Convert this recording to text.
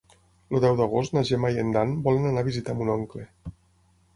El deu d'agost na Gemma i en Dan volen anar a visitar mon oncle.